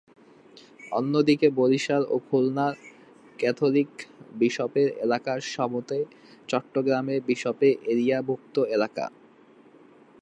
অন্যদিকে বরিশাল ও খুলনার ক্যাথলিক বিশপের এলাকা সমেত চট্টগ্রামের বিশপের এক্তিয়ারভুক্ত এলাকা।